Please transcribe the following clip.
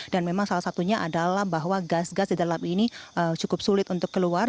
dan memang salah satunya adalah bahwa gas gas di dalam ini cukup sulit untuk keluar